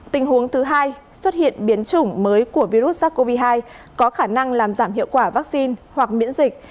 tình huống thứ hai xuất hiện biến chủng mới của virus sars cov hai có khả năng làm giảm hiệu quả vaccine hoặc miễn dịch